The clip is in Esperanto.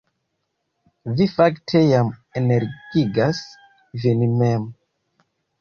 Vi fakte jam energigas vin mem